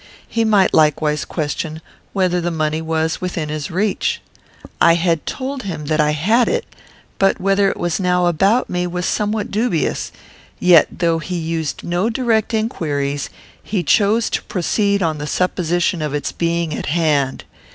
He might likewise question whether the money was within his reach. I had told him that I had it, but whether it was now about me was somewhat dubious; yet, though he used no direct inquiries, he chose to proceed on the supposition of its being at hand.